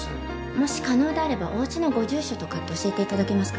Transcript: もし可能であればお家のご住所とかって教えて頂けますか？